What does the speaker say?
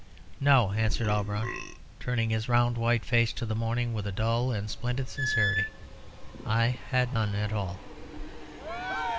"No," answered Auberon, turning his round white face to the morning with a dull and splendid sincerity; "I had none at all."